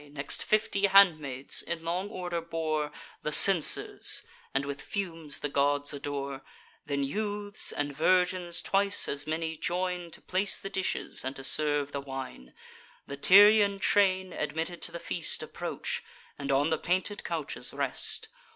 Next fifty handmaids in long order bore The censers, and with fumes the gods adore: Then youths, and virgins twice as many, join To place the dishes, and to serve the wine. The Tyrian train, admitted to the feast, Approach, and on the painted couches rest.